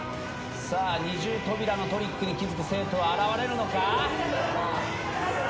さあ二重扉のトリックに気付く生徒は現れるのか？